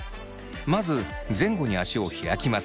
まず前後に足を開きます。